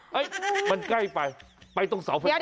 เฮ้ยมันใกล้ไปไปตรงเสาเผ็ดตาเลย